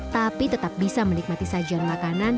tapi tetap bisa menikmati sajian makanan